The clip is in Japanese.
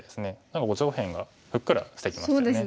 何か上辺がふっくらしてきましたよね。